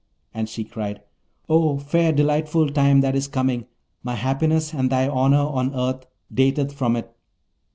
And she cried, 'Oh, fair delightful time that is coming! my happiness and thy honour on earth dateth from it.